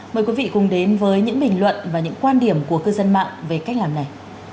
mời quý vị cùng đến với những bình luận và những quan điểm của cư dân mạng về cách làm này